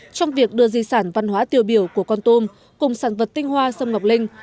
trong việc đưa di sản văn hóa tiêu biểu của con tôm cùng sản vật tinh hoa sâm ngọc linh